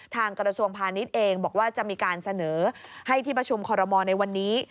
กระทรวงพาณิชย์เองบอกว่าจะมีการเสนอให้ที่ประชุมคอรมอลในวันนี้